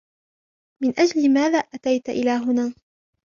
من أجل ماذا أتيتَ إلى هنا؟